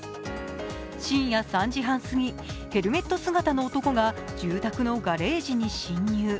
深夜３時半過ぎ、ヘルメット姿の男が住宅のガレージに侵入。